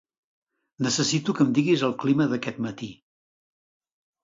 Necessito que em diguis el clima d'aquest matí.